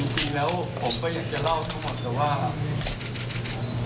จริงแล้วผมก็อยากจะเล่าทั้งหมดแต่ว่า